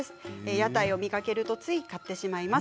屋台で見かけるとつい買ってしまいます。